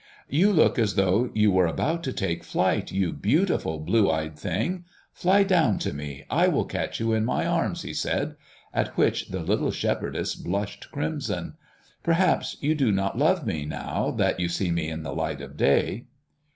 "You look as though you were about to take flight, you beautiful, blue eyed thing. Fly down to me. I will catch you in my arms," he said, at which the little shepherdess blushed crimson. "Perhaps you do not love me now that you see me in the light of day."